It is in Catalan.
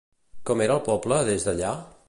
Com era el poble des d'allà?